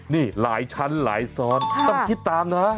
นี่หลายชั้นหลายซ้อนต้องคิดตามนะ